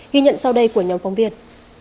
ghi nhận sau đây của nhóm phóng viên